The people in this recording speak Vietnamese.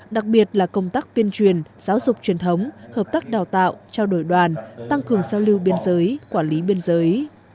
đặc biệt là công tác tuyên truyền giáo dục truyền thống hợp tác đào tạo trao đổi đoàn tăng cường giao lưu biên giới quản lý biên giới